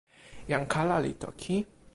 jan kala li toki: